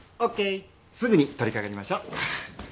すぐに取りかかりましょう。